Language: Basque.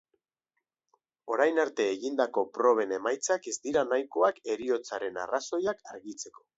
Orain arte egindako proben emaitzak ez dira nahikoak heriotzaren arrazoiak argitzeko.